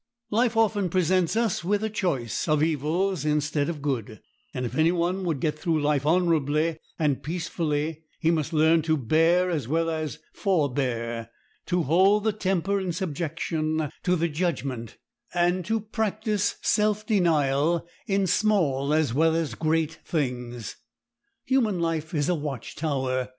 Life often presents us with a choice of evils instead of good; and if any one would get through life honorably and peacefully he must learn to bear as well as forbear, to hold the temper in subjection to the judgment, and to practice self denial in small as well as great things. Human life is a watch tower.